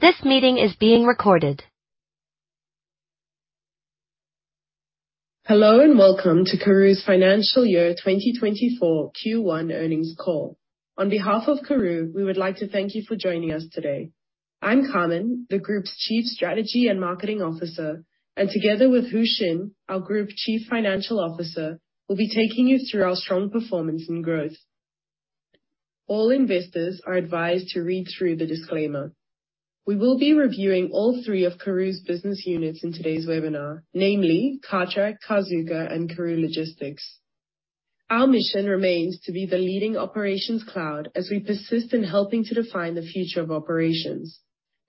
This meeting is being recorded. Hello, and welcome to Karooooo's financial year 2024 Q1 earnings call. On behalf of Karooooo, we would like to thank you for joining us today. I'm Carmen, the group's Chief Strategy and Marketing Officer, and together with Goy Hoeshin, our Group Chief Financial Officer, we'll be taking you through our strong performance and growth. All investors are advised to read through the disclaimer. We will be reviewing all three of Karooooo's business units in today's webinar, namely Cartrack, Carzuka, and Karooooo Logistics. Our mission remains to be the leading operations cloud as we persist in helping to define the future of operations.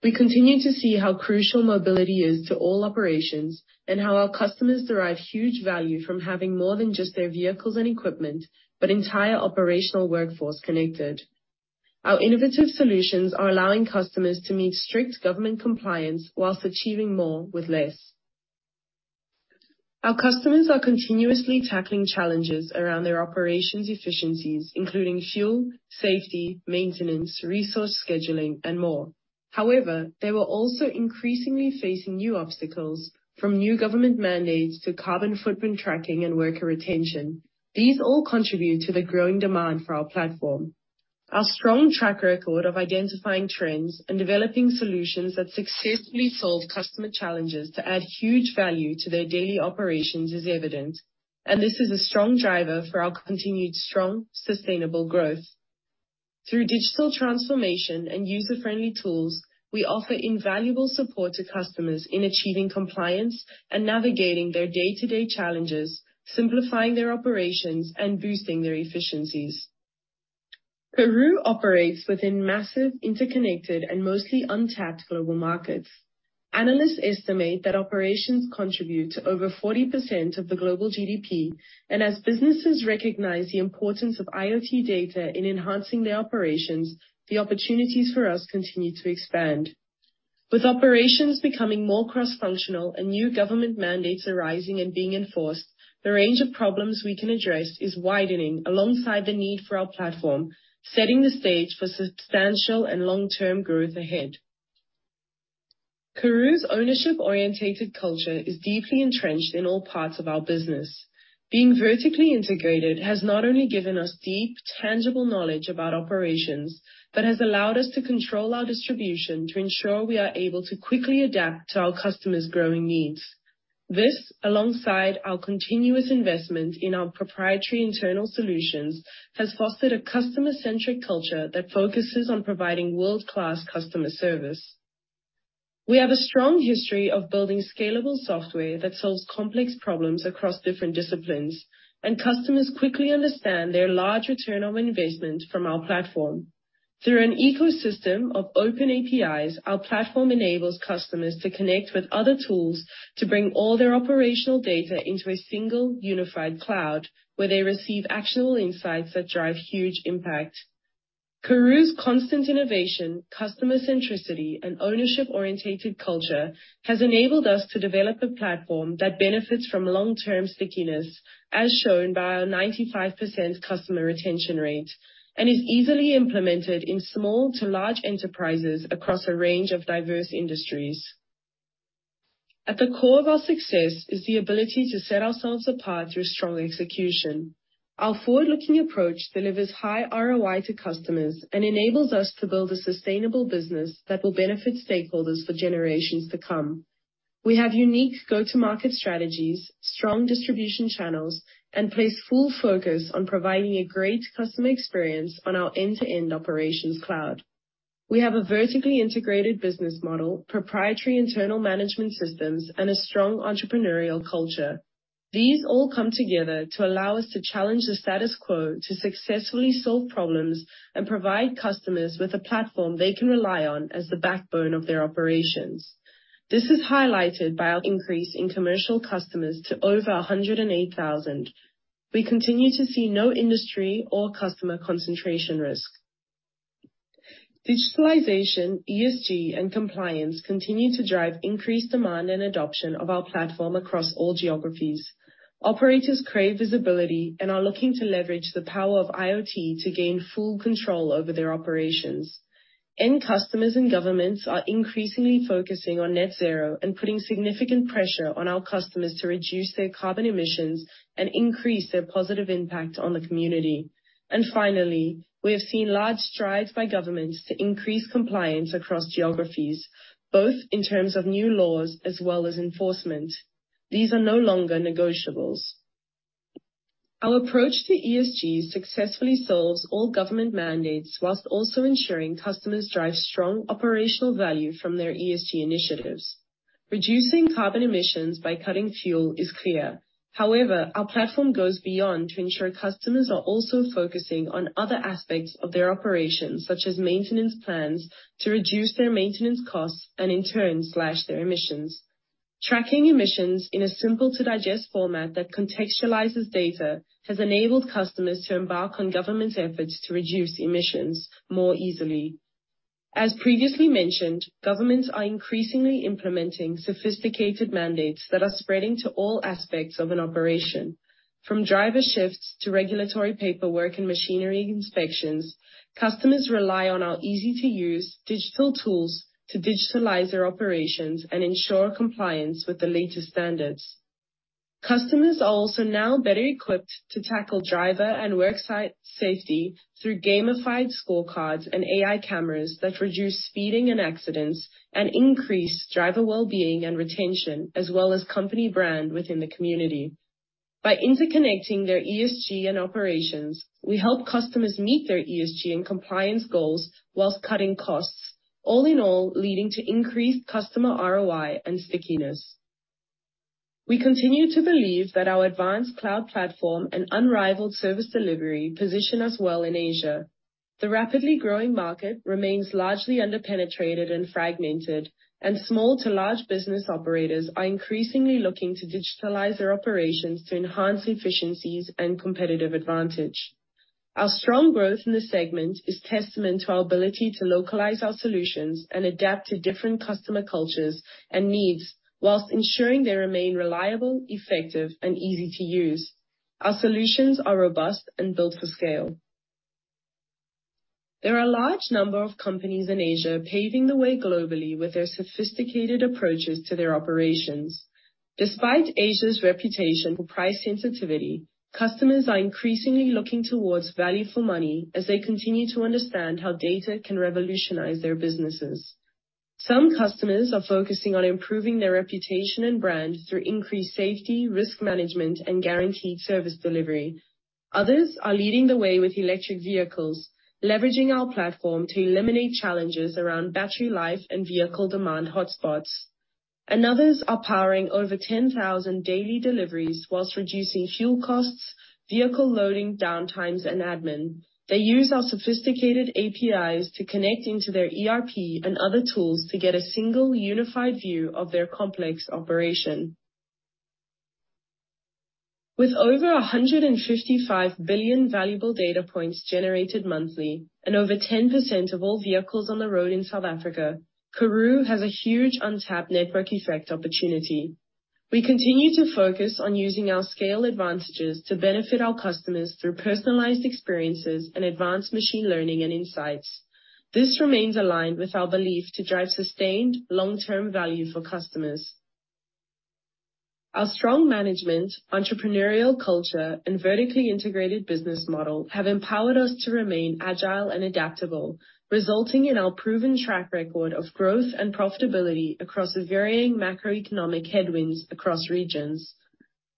We continue to see how crucial mobility is to all operations and how our customers derive huge value from having more than just their vehicles and equipment, but entire operational workforce connected. Our innovative solutions are allowing customers to meet strict government compliance while achieving more with less. Our customers are continuously tackling challenges around their operations efficiencies, including fuel, safety, maintenance, resource scheduling, and more. They were also increasingly facing new obstacles, from new government mandates to carbon footprint tracking and worker retention. These all contribute to the growing demand for our platform. Our strong track record of identifying trends and developing solutions that successfully solve customer challenges to add huge value to their daily operations is evident, and this is a strong driver for our continued strong, sustainable growth. Through digital transformation and user-friendly tools, we offer invaluable support to customers in achieving compliance and navigating their day-to-day challenges, simplifying their operations, and boosting their efficiencies. Karooooo operates within massive, interconnected, and mostly untapped global markets. Analysts estimate that operations contribute to over 40% of the global GDP, and as businesses recognize the importance of IoT data in enhancing their operations, the opportunities for us continue to expand. With operations becoming more cross-functional and new government mandates arising and being enforced, the range of problems we can address is widening alongside the need for our platform, setting the stage for substantial and long-term growth ahead. Karooooo's ownership-orientated culture is deeply entrenched in all parts of our business. Being vertically integrated has not only given us deep, tangible knowledge about operations, but has allowed us to control our distribution to ensure we are able to quickly adapt to our customers' growing needs. This, alongside our continuous investment in our proprietary internal solutions, has fostered a customer-centric culture that focuses on providing world-class customer service. We have a strong history of building scalable software that solves complex problems across different disciplines, and customers quickly understand their large ROI from our platform. Through an ecosystem of open APIs, our platform enables customers to connect with other tools to bring all their operational data into a single unified cloud, where they receive actionable insights that drive huge impact. Karooooo's constant innovation, customer centricity, and ownership-orientated culture has enabled us to develop a platform that benefits from long-term stickiness, as shown by our 95% customer retention rate, and is easily implemented in small to large enterprises across a range of diverse industries. At the core of our success is the ability to set ourselves apart through strong execution. Our forward-looking approach delivers high ROI to customers and enables us to build a sustainable business that will benefit stakeholders for generations to come. We have unique go-to-market strategies, strong distribution channels, and place full focus on providing a great customer experience on our end-to-end operations cloud. We have a vertically integrated business model, proprietary internal management systems, and a strong entrepreneurial culture. These all come together to allow us to challenge the status quo, to successfully solve problems, and provide customers with a platform they can rely on as the backbone of their operations. This is highlighted by our increase in commercial customers to over 108,000. We continue to see no industry or customer concentration risk. Digitalization, ESG, and compliance continue to drive increased demand and adoption of our platform across all geographies. Operators crave visibility and are looking to leverage the power of IoT to gain full control over their operations. End customers and governments are increasingly focusing on net zero and putting significant pressure on our customers to reduce their carbon emissions and increase their positive impact on the community. Finally, we have seen large strides by governments to increase compliance across geographies, both in terms of new laws as well as enforcement. These are no longer negotiables. Our approach to ESG successfully solves all government mandates whilst also ensuring customers drive strong operational value from their ESG initiatives. Reducing carbon emissions by cutting fuel is clear. However, our platform goes beyond to ensure customers are also focusing on other aspects of their operations, such as maintenance plans, to reduce their maintenance costs and, in turn, slash their emissions. Tracking emissions in a simple-to-digest format that contextualizes data has enabled customers to embark on government's efforts to reduce emissions more easily. As previously mentioned, governments are increasingly implementing sophisticated mandates that are spreading to all aspects of an operation. From driver shifts to regulatory paperwork and machinery inspections, customers rely on our easy-to-use digital tools to digitalize their operations and ensure compliance with the latest standards. Customers are also now better equipped to tackle driver and work site safety through gamified scorecards and AI cameras that reduce speeding and accidents and increase driver well-being and retention, as well as company brand within the community. By interconnecting their ESG and operations, we help customers meet their ESG and compliance goals while cutting costs. All in all, leading to increased customer ROI and stickiness. We continue to believe that our advanced cloud platform and unrivaled service delivery position us well in Asia. The rapidly growing market remains largely under-penetrated and fragmented. Small to large business operators are increasingly looking to digitalize their operations to enhance efficiencies and competitive advantage. Our strong growth in this segment is testament to our ability to localize our solutions and adapt to different customer cultures and needs, while ensuring they remain reliable, effective, and easy to use. Our solutions are robust and built for scale. There are a large number of companies in Asia paving the way globally with their sophisticated approaches to their operations. Despite Asia's reputation for price sensitivity, customers are increasingly looking towards value for money as they continue to understand how data can revolutionize their businesses. Some customers are focusing on improving their reputation and brand through increased safety, risk management, and guaranteed service delivery. Others are leading the way with electric vehicles, leveraging our platform to eliminate challenges around battery life and vehicle demand hotspots. Others are powering over 10,000 daily deliveries whilst reducing fuel costs, vehicle loading downtimes, and admin. They use our sophisticated APIs to connect into their ERP and other tools to get a single, unified view of their complex operation. With over 155 billion valuable data points generated monthly, and over 10% of all vehicles on the road in South Africa, Karooooo has a huge untapped network effect opportunity. We continue to focus on using our scale advantages to benefit our customers through personalized experiences and advanced machine learning and insights. This remains aligned with our belief to drive sustained, long-term value for customers. Our strong management, entrepreneurial culture, and vertically integrated business model have empowered us to remain agile and adaptable, resulting in our proven track record of growth and profitability across the varying macroeconomic headwinds across regions.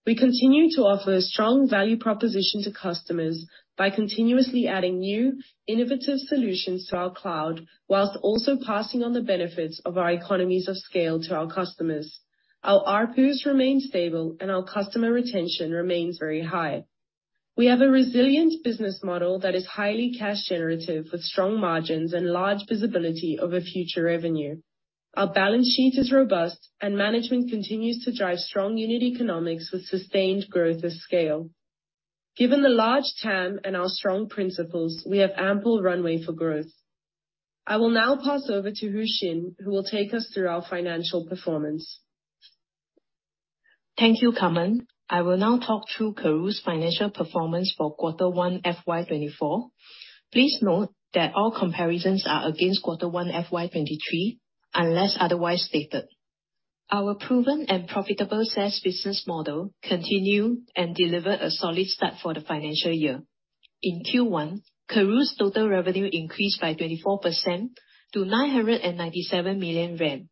We continue to offer a strong value proposition to customers by continuously adding new, innovative solutions to our cloud, whilst also passing on the benefits of our economies of scale to our customers. Our ARPU has remained stable, and our customer retention remains very high. We have a resilient business model that is highly cash generative, with strong margins and large visibility over future revenue. Our balance sheet is robust, and management continues to drive strong unit economics with sustained growth of scale. Given the large TAM and our strong principles, we have ample runway for growth. I will now pass over to Goy Hoeshin, who will take us through our financial performance. Thank you, Carmen. I will now talk through Karooooo's financial performance for quarter one, FY24. Please note that all comparisons are against quarter one, FY23, unless otherwise stated. Our proven and profitable SaaS business model continued and delivered a solid start for the financial year. In Q1, Karooooo's total revenue increased by 24% to 997 million rand,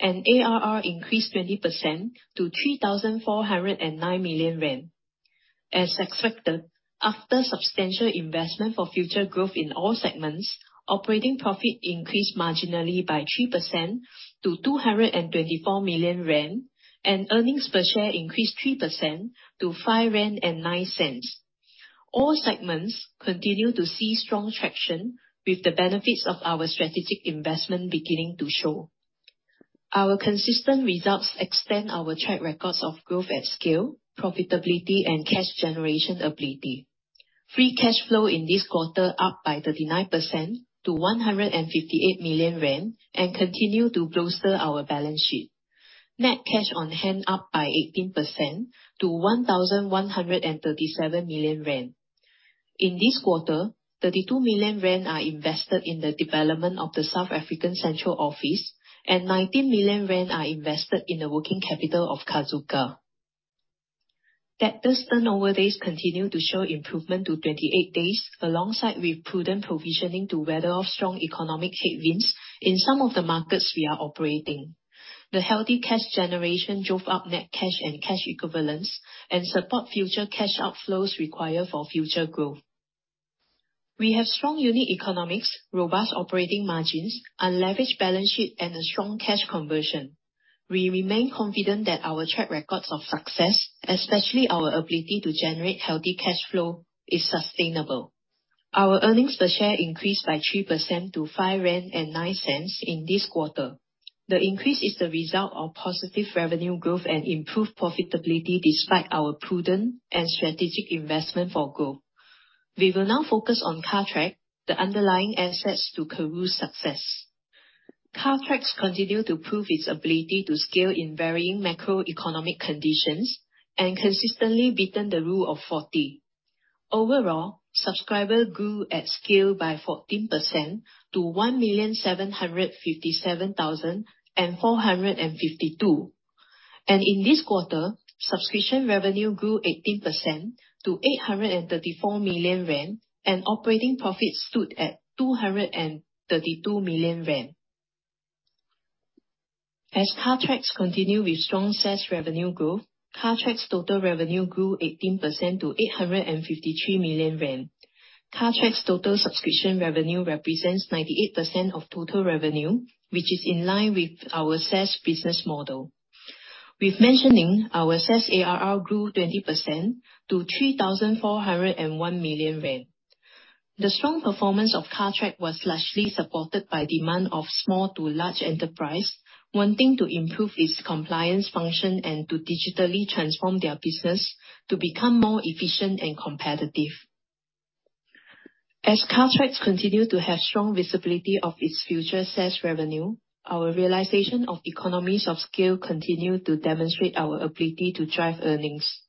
and ARR increased 20% to 3,409 million rand. As expected, after substantial investment for future growth in all segments, operating profit increased marginally by 3% to 224 million rand, and earnings per share increased 3% to 5.09 rand. All segments continue to see strong traction, with the benefits of our strategic investment beginning to show. Our consistent results extend our track records of growth at scale, profitability, and cash generation ability. Free cash flow in this quarter up by 39% to 158 million rand and continue to bolster our balance sheet. Net cash on hand up by 18% to 1,137 million rand. In this quarter, 32 million rand are invested in the development of the South African central office, and 19 million rand are invested in the working capital of Carzuka. Debtors turnover days continue to show improvement to 28 days, alongside with prudent provisioning to weather off strong economic headwinds in some of the markets we are operating. The healthy cash generation drove up net cash and cash equivalents and support future cash outflows required for future growth. We have strong unit economics, robust operating margins, unleveraged balance sheet, and a strong cash conversion. We remain confident that our track records of success, especially our ability to generate healthy cash flow, is sustainable. Our earnings per share increased by 3% to 5.09 rand in this quarter. The increase is the result of positive revenue growth and improved profitability, despite our prudent and strategic investment for growth. We will now focus on Cartrack, the underlying assets to Karooooo's success. Cartrack's continued to prove its ability to scale in varying macroeconomic conditions and consistently beaten the Rule of 40. Overall, subscriber grew at scale by 14% to 1,757,452. In this quarter, subscription revenue grew 18% to 834 million rand, and operating profit stood at 232 million rand. Cartrack continue with strong SaaS revenue growth, Cartrack's total revenue grew 18% to 853 million rand. Cartrack's total subscription revenue represents 98% of total revenue, which is in line with our SaaS business model. With mentioning, our SaaS ARR grew 20% to 3,401 million rand. The strong performance of Cartrack was largely supported by demand of small to large enterprise, wanting to improve its compliance function and to digitally transform their business to become more efficient and competitive. Cartrack continue to have strong visibility of its future SaaS revenue, our realization of economies of scale continue to demonstrate our ability to drive earnings.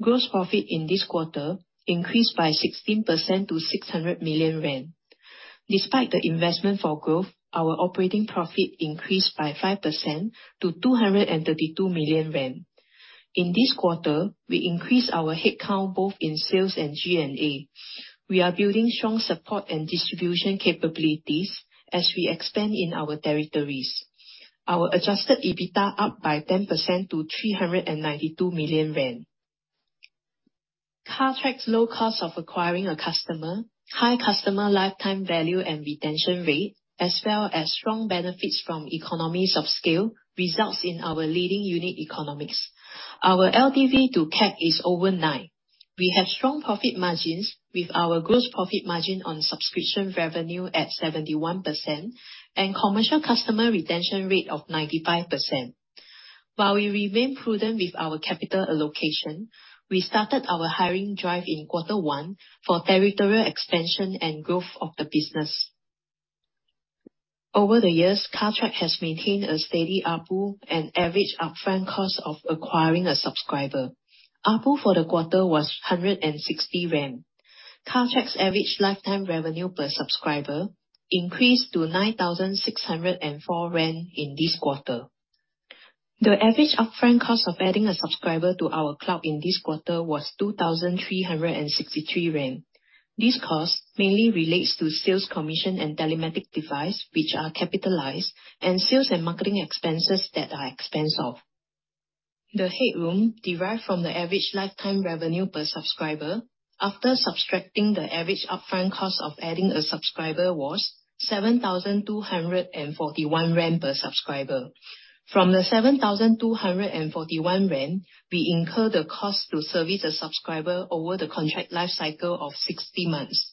Gross profit in this quarter increased by 16% to 600 million. Despite the investment for growth, our operating profit increased by 5% to 232 million. In this quarter, we increased our headcount both in sales and G&A. We are building strong support and distribution capabilities as we expand in our territories. Our adjusted EBITDA up by 10% to 392 million rand. Cartrack's low cost of acquiring a customer, high customer lifetime value and retention rate, as well as strong benefits from economies of scale, results in our leading unit economics. Our LTV to CAC is over 9. We have strong profit margins with our gross profit margin on subscription revenue at 71% and commercial customer retention rate of 95%. While we remain prudent with our capital allocation, we started our hiring drive in quarter one for territorial expansion and growth of the business. Over the years, Cartrack has maintained a steady ARPU and average upfront cost of acquiring a subscriber. ARPU for the quarter was 160. Cartrack's average lifetime revenue per subscriber increased to 9,604 in this quarter. The average upfront cost of adding a subscriber to our club in this quarter was 2,363 rand. This cost mainly relates to sales commission and telematic device, which are capitalized, and sales and marketing expenses that are expensed off. The headroom derived from the average lifetime revenue per subscriber after subtracting the average upfront cost of adding a subscriber was 7,241 rand per subscriber. From the 7,241 rand, we incur the cost to service a subscriber over the contract life cycle of 60 months.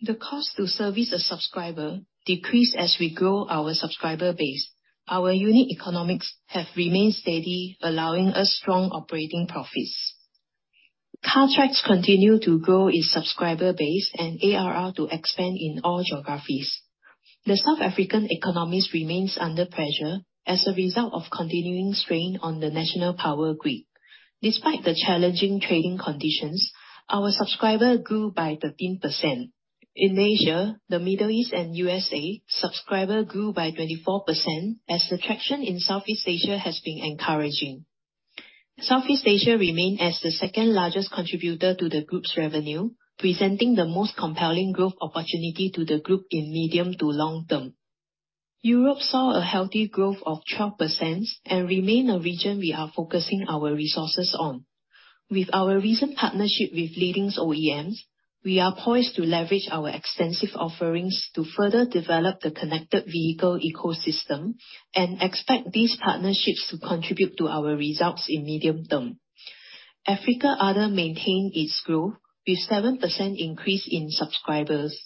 The cost to service a subscriber decrease as we grow our subscriber base. Our unit economics have remained steady, allowing us strong operating profits. Cartrack continue to grow its subscriber base and ARR to expand in all geographies. The South African economics remains under pressure as a result of continuing strain on the national power grid. Despite the challenging trading conditions, our subscriber grew by 13%. In Asia, the Middle East and USA, subscriber grew by 24%, as the traction in Southeast Asia has been encouraging. Southeast Asia remain as the second-largest contributor to the group's revenue, presenting the most compelling growth opportunity to the group in medium to long term. Europe saw a healthy growth of 12% and remain a region we are focusing our resources on. With our recent partnership with leading OEMs, we are poised to leverage our extensive offerings to further develop the connected vehicle ecosystem and expect these partnerships to contribute to our results in medium term. Africa/Other maintained its growth with 7% increase in subscribers.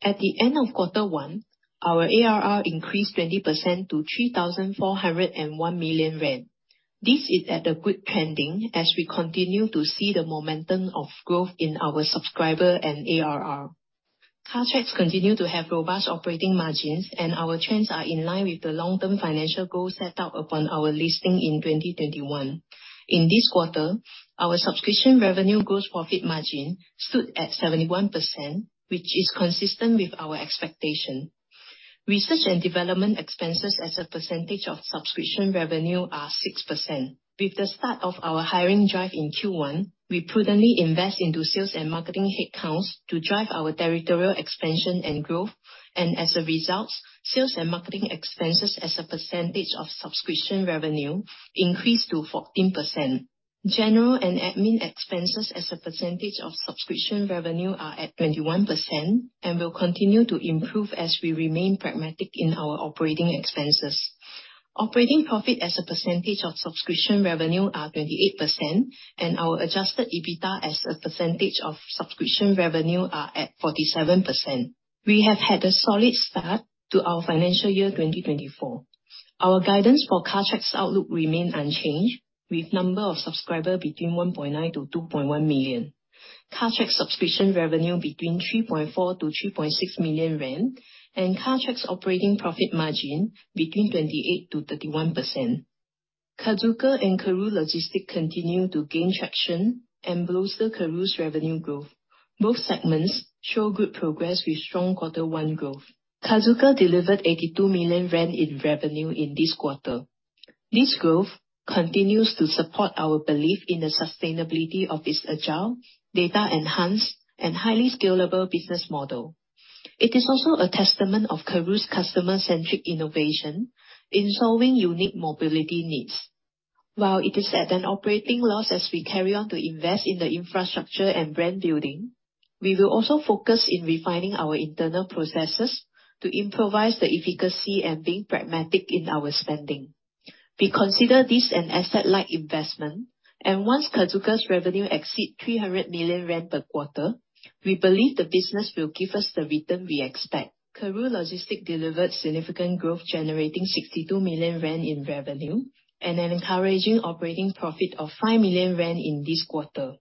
At the end of Q1, our ARR increased 20% to 3,401 million rand. This is at a good trending as we continue to see the momentum of growth in our subscriber and ARR. Cartrack continue to have robust operating margins, and our trends are in line with the long-term financial goals set out upon our listing in 2021. In this quarter, our subscription revenue gross profit margin stood at 71%, which is consistent with our expectation. Research and development expenses as a percentage of subscription revenue are 6%. With the start of our hiring drive in Q1, we prudently invest into sales and marketing headcounts to drive our territorial expansion and growth. As a result, sales and marketing expenses as a percentage of subscription revenue increased to 14%. General and admin expenses as a percentage of subscription revenue are at 21% and will continue to improve as we remain pragmatic in our operating expenses. Operating profit as a percentage of subscription revenue are 28%, and our adjusted EBITDA as a percentage of subscription revenue are at 47%. We have had a solid start to our financial year 2024. Our guidance for Cartrack's outlook remain unchanged, with number of subscriber between 1.9 million-2.1 million. Cartrack subscription revenue between 3.4 million-3.6 million rand, and Cartrack's operating profit margin between 28%-31%. Carzuka and Karooooo Logistics continue to gain traction and bolster Karooooo's revenue growth. Both segments show good progress with strong quarter one growth. Carzuka delivered 82 million rand in revenue in this quarter. This growth continues to support our belief in the sustainability of its agile, data-enhanced, and highly scalable business model. It is also a testament of Karooooo's customer-centric innovation in solving unique mobility needs. While it is at an operating loss, as we carry on to invest in the infrastructure and brand building, we will also focus in refining our internal processes to improvise the efficacy and being pragmatic in our spending. We consider this an asset-like investment, and once Carzuka's revenue exceeds 300 million rand per quarter, we believe the business will give us the return we expect. Karooooo Logistics delivered significant growth, generating 62 million rand in revenue and an encouraging operating profit of 5 million rand in this quarter.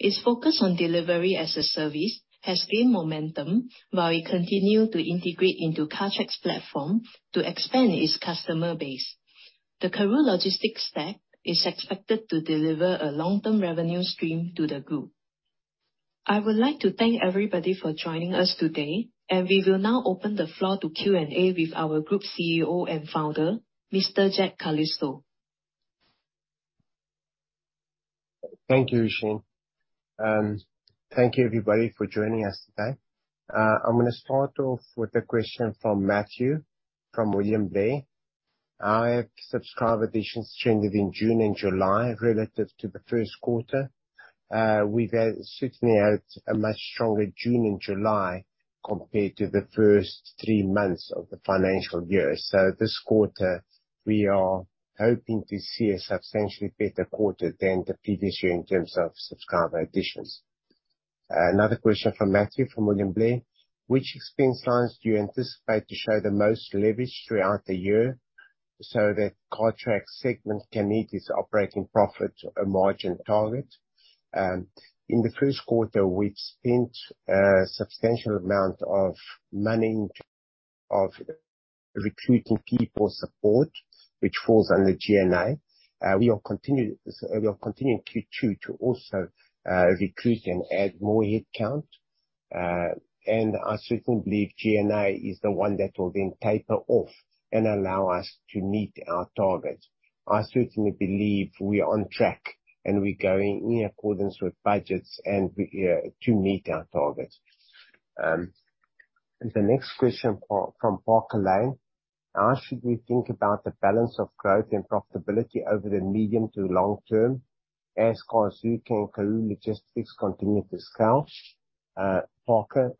Its focus on delivery as a service has gained momentum while we continue to integrate into Cartrack's platform to expand its customer base. The Karooooo Logistics stack is expected to deliver a long-term revenue stream to the group. I would like to thank everybody for joining us today, and we will now open the floor to Q&A with our group CEO and founder, Mr. Zak Calisto. Thank you, Hoeshin. Thank you, everybody, for joining us today. I'm gonna start off with a question from Matthew from William Blair. How have subscriber additions changed within June and July relative to the first quarter? We've certainly had a much stronger June and July compared to the first three months of the financial year. This quarter, we are hoping to see a substantially better quarter than the previous year in terms of subscriber additions. Another question from Matthew, from William Blair: Which expense lines do you anticipate to show the most leverage throughout the year so that Cartrack segment can meet its operating profit and margin target? In the first quarter, we spent a substantial amount of money of recruiting people support, which falls under G&A. We will continue in Q2 to also recruit and add more headcount. I certainly believe G&A is the one that will then taper off and allow us to meet our targets. I certainly believe we are on track, and we're going in accordance with budgets, and we to meet our targets. The next question from Parker Lane: How should we think about the balance of growth and profitability over the medium to long term as Carzuka and Karooooo Logistics continue to scale? Parker,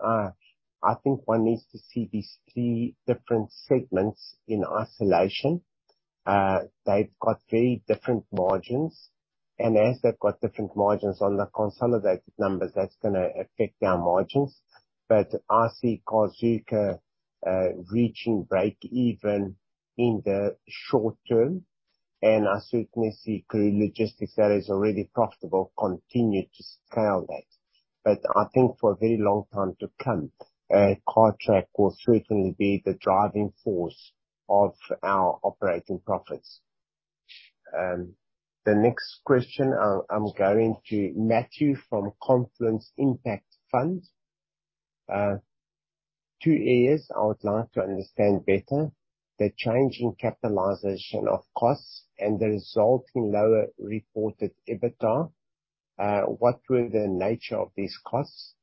I think one needs to see these three different segments in isolation. They've got very different margins, and as they've got different margins on the consolidated numbers, that's gonna affect our margins. I see Carzuka reaching breakeven in the short term, and I certainly see Karooooo Logistics, that is already profitable, continue to scale that. I think for a very long time to come, Cartrack will certainly be the driving force of our operating profits. The next question, I'm going to Matthew from Confluence Impact Fund. 2 areas I would like to understand better, the change in capitalization of costs and the resulting lower reported EBITDA. What were the nature of these costs?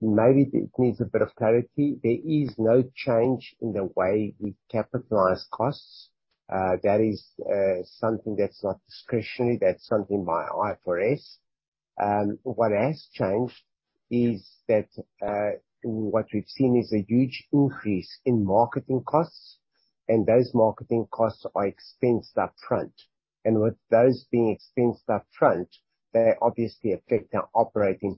Maybe it needs a bit of clarity. There is no change in the way we capitalize costs. That is something that's not discretionary, that's something by IFRS. What has changed is that what we've seen is a huge increase in marketing costs, and those marketing costs are expensed upfront. With those being expensed upfront, they obviously affect our operating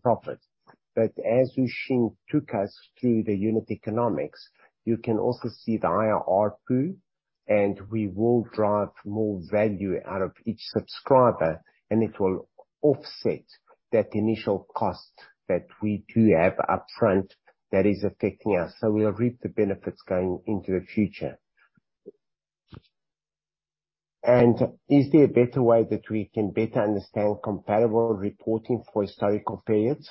profit. As Shin took us through the unit economics, you can also see the higher ARPU, and we will drive more value out of each subscriber, and it will offset that initial cost that we do have upfront that is affecting us, so we'll reap the benefits going into the future. Is there a better way that we can better understand comparable reporting for historical periods?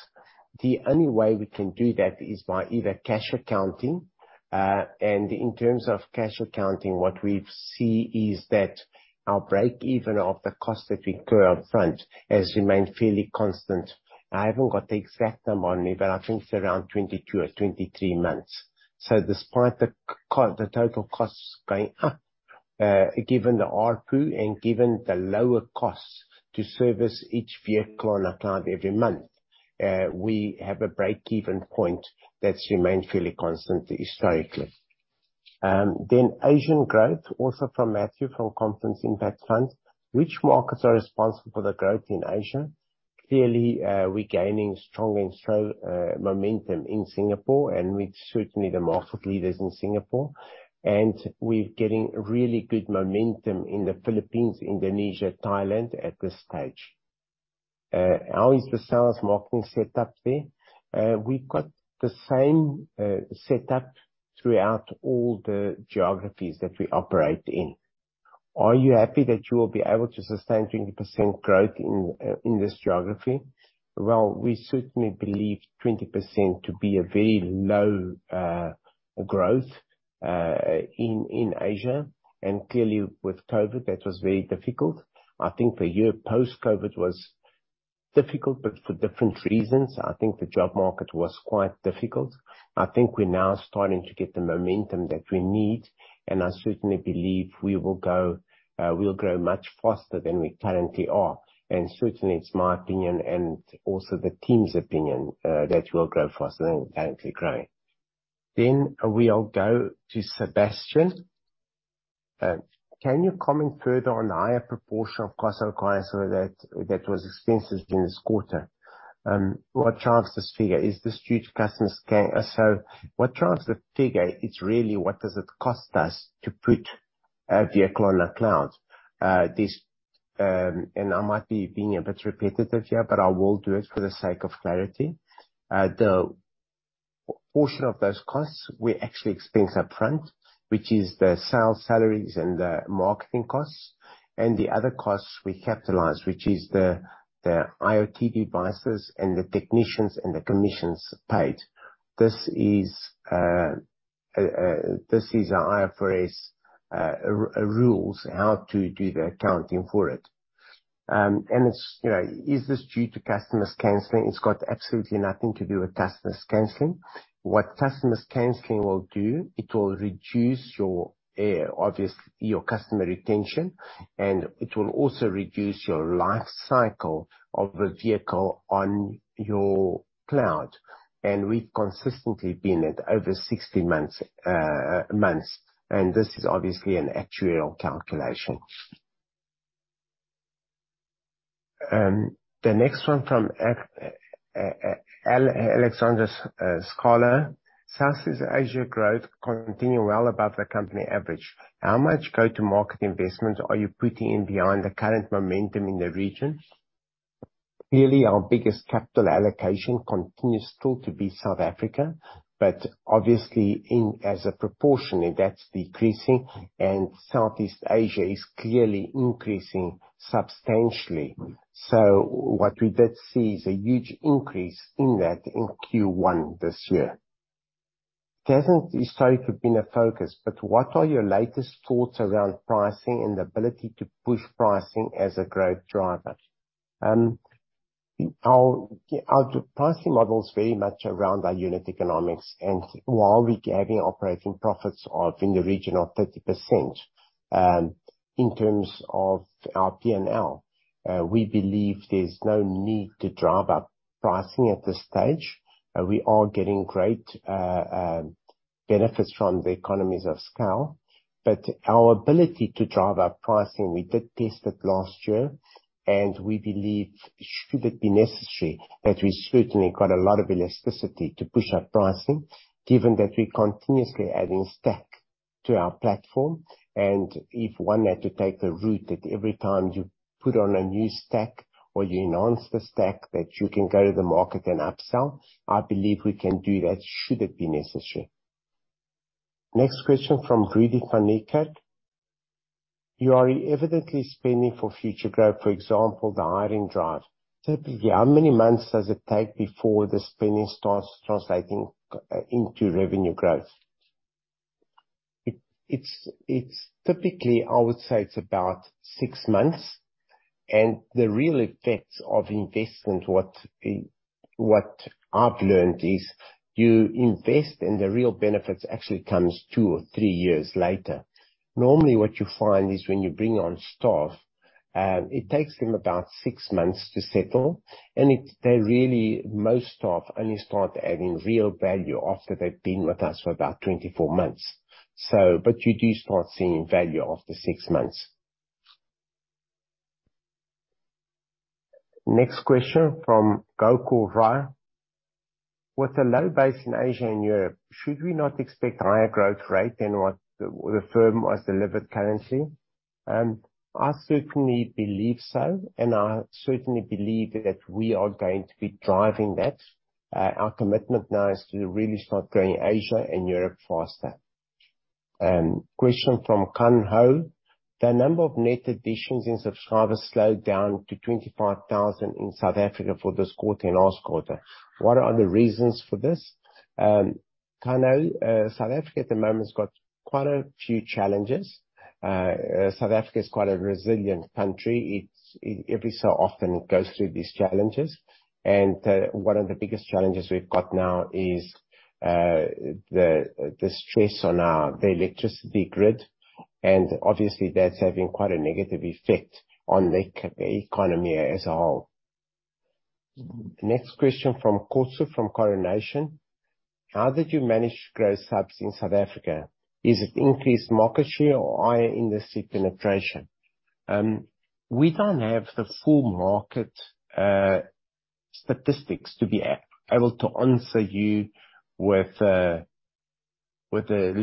The only way we can do that is by either cash accounting, and in terms of cash accounting, what we've see is that our breakeven of the cost that we incur upfront has remained fairly constant. I haven't got the exact number on me, but I think it's around 22 or 23 months. Despite the total costs going up, given the ARPU and given the lower costs to service each vehicle on a cloud every month, we have a breakeven point that's remained fairly constant historically. Asian growth, also from Matthew from Confluence Impact Fund: Which markets are responsible for the growth in Asia? Clearly, we're gaining stronger and strong momentum in Singapore, and we're certainly the market leaders in Singapore, and we're getting really good momentum in the Philippines, Indonesia, Thailand, at this stage. How is the sales marketing set up there? We've got the same setup throughout all the geographies that we operate in. Are you happy that you will be able to sustain 20% growth in this geography? Well, we certainly believe 20% to be a very low growth in Asia, and clearly with COVID, that was very difficult. I think the year post-COVID was difficult, but for different reasons. I think the job market was quite difficult. I think we're now starting to get the momentum that we need, and I certainly believe we'll grow much faster than we currently are. Certainly, it's my opinion, and also the team's opinion, that we'll grow faster than we're currently growing. We'll go to Sebastian. Can you comment further on the higher proportion of cost of goods sold that was expensed during this quarter? What changed this figure? Is this due to customers? What changed the figure, it's really what does it cost us to put a vehicle on the cloud. This... I might be being a bit repetitive here, but I will do it for the sake of clarity. The portion of those costs, we actually expense up front, which is the sales, salaries, and the marketing costs. The other costs we capitalize, which is the IoT devices, and the technicians, and the commissions paid. This is our IFRS rules, how to do the accounting for it. It's, you know, is this due to customers canceling? It's got absolutely nothing to do with customers canceling. What customers canceling will do, it will reduce your customer retention, and it will also reduce your life cycle of the vehicle on your cloud, and we've consistently been at over 60 months, and this is obviously an actuarial calculation. The next one from Alexandra Scholtz. Southeast Asia growth continue well above the company average. How much go-to-market investment are you putting in behind the current momentum in the region? Clearly, our biggest capital allocation continues still to be South Africa, obviously in, as a proportion, that's decreasing, and Southeast Asia is clearly increasing substantially. What we did see is a huge increase in that in Q1 this year. Definitely, it had been a focus, but what are your latest thoughts around pricing and the ability to push pricing as a growth driver? Our pricing model is very much around our unit economics, and while we're having operating profits of in the region of 30%, in terms of our PNL, we believe there's no need to drive up pricing at this stage. We are getting great benefits from the economies of scale. Our ability to drive up pricing, we did test it last year, and we believe, should it be necessary, that we certainly got a lot of elasticity to push up pricing, given that we're continuously adding stack to our platform. If one had to take the route that every time you put on a new stack or you enhance the stack, that you can go to the market and upsell, I believe we can do that should it be necessary. Next question from Rudi van Niekerk. You are evidently spending for future growth, for example, the hiring drive. Typically, how many months does it take before the spending starts translating into revenue growth? It's typically, I would say, it's about six months. The real effect of investment, what I've learned is you invest, and the real benefits actually comes 2 or 3 years later. Normally, what you find is when you bring on staff, it takes them about 6 months to settle, they really, most staff only start adding real value after they've been with us for about 24 months. But you do start seeing value after 6 months. Next question from Goku Rai. With a low base in Asia and Europe, should we not expect higher growth rate than what the firm has delivered currently? I certainly believe so, and I certainly believe that we are going to be driving that. Our commitment now is to really start growing Asia and Europe faster. Question from Kan Ho. The number of net additions in subscribers slowed down to 25,000 in South Africa for this quarter and last quarter. What are the reasons for this? Kan Ho, South Africa at the moment has got quite a few challenges. South Africa is quite a resilient country. It every so often goes through these challenges, and one of the biggest challenges we've got now is the stress on our electricity grid, and obviously, that's having quite a negative effect on the economy as a whole. Next question from Keen Fai, from Coronation. How did you manage to grow subs in South Africa? Is it increased market share or higher industry penetration? We don't have the full market statistics to be able to answer you with... with the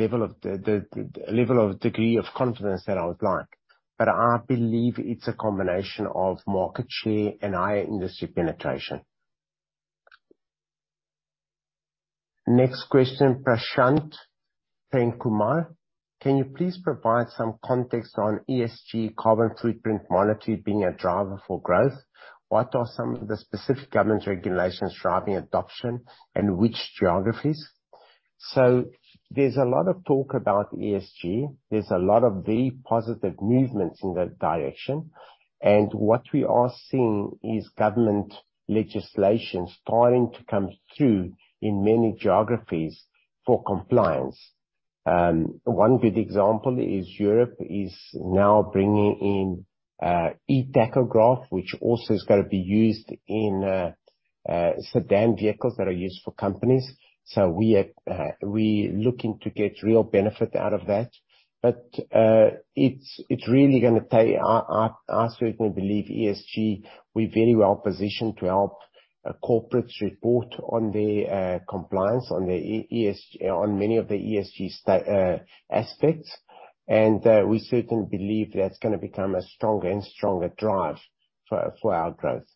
level of degree of confidence that I would like, but I believe it's a combination of market share and higher industry penetration. Next question, Prashant Khemka: Can you please provide some context on ESG carbon footprint monitoring being a driver for growth? What are some of the specific government regulations driving adoption, and which geographies? There's a lot of talk about ESG. There's a lot of very positive movements in that direction, and what we are seeing is government legislation starting to come through in many geographies for compliance. One good example is Europe is now bringing in eTachograph, which also is gonna be used in sedan vehicles that are used for companies. We are looking to get real benefit out of that. It's really gonna take... I certainly believe ESG, we're very well positioned to help corporates report on their compliance, on many of the ESG aspects, and we certainly believe that's gonna become a stronger and stronger drive for our growth.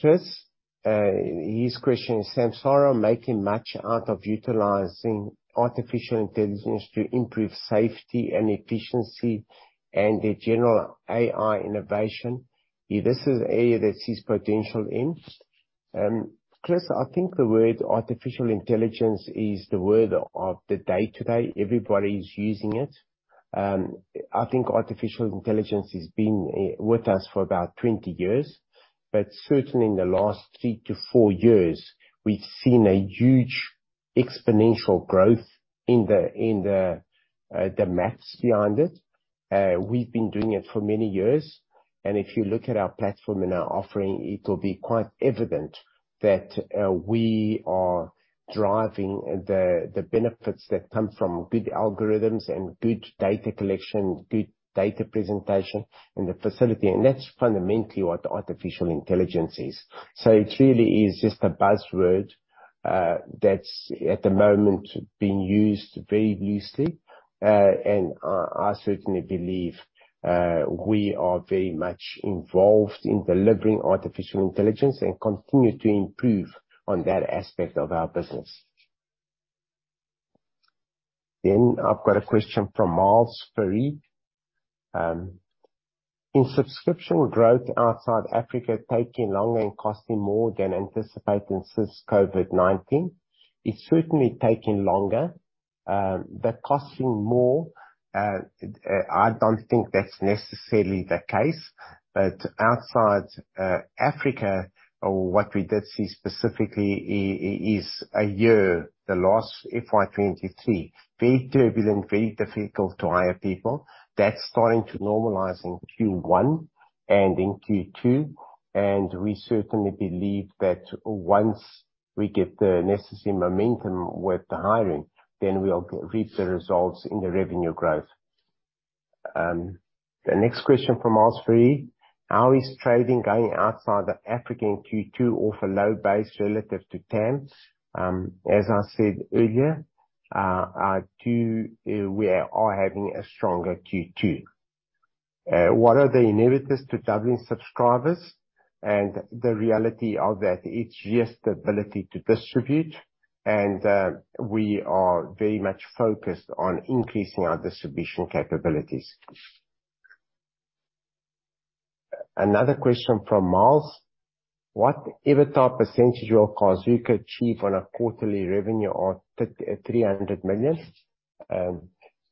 Chris, his question: Is Samsara making much out of utilizing artificial intelligence to improve safety and efficiency and the general AI innovation? If this is an area that sees potential in. Chris, I think the word artificial intelligence is the word of the day today. Everybody's using it. I think artificial intelligence has been with us for about 20 years, but certainly in the last 3-4 years, we've seen a huge exponential growth in the maths behind it. We've been doing it for many years, if you look at our platform and our offering, it'll be quite evident that we are driving the benefits that come from good algorithms and good data collection, good data presentation and the facility, and that's fundamentally what artificial intelligence is. It really is just a buzzword that's, at the moment, being used very loosely. I certainly believe we are very much involved in delivering artificial intelligence and continue to improve on that aspect of our business. I've got a question from Miles Fareed. Is subscription growth outside Africa taking longer and costing more than anticipated since COVID-19? It's certainly taking longer. The costing more, I don't think that's necessarily the case, outside Africa, or what we did see specifically is the last FY23, very turbulent, very difficult to hire people. That's starting to normalize in Q1 and in Q2, we certainly believe that once we get the necessary momentum with the hiring, then we'll reap the results in the revenue growth. The next question from Miles Fareed: How is trading going outside Africa in Q2 off a low base relative to temps? As I said earlier, we are having a stronger Q2. What are the inhibitors to doubling subscribers? The reality of that, it's just the ability to distribute, and we are very much focused on increasing our distribution capabilities. Another question from Miles: What EBITDA percentage of costs we could achieve on a quarterly revenue of $300 million?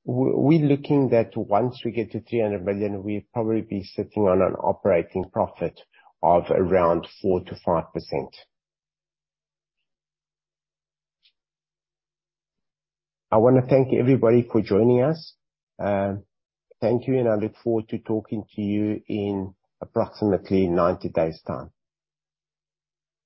We're looking that once we get to $300 million, we'll probably be sitting on an operating profit of around 4%-5%. I wanna thank everybody for joining us. Thank you, and I look forward to talking to you in approximately 90 days time.